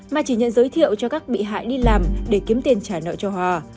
mà chỉ nhận giới thiệu cho các bị hại đi làm để kiếm tiền trả nợ cho hòa